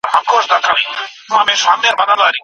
د ډیپلوماټیکو اسنادو له مخې وګړي نه مطرح کیږي.